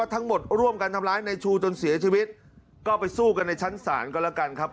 ร่วมกันทำร้ายในชูจนเสียชีวิตก็ไปสู้กันในชั้นศาลก็แล้วกันครับ